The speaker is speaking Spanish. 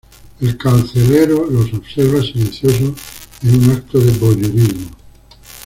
El carcelero los observa silencioso en un acto de voyeurismo.